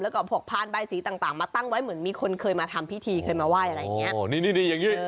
แล้วก็พวกพานใบสีต่างมาตั้งไว้เหมือนมีคนเคยมาทำพิธีเคยมาไหว้อะไรอย่างนี้